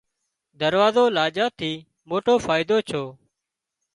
دراوزو لاڄا ٿِي موٽو فائيڌو ڇو